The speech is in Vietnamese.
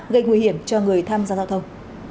gây nguy hiểm cho người tham gia giao thông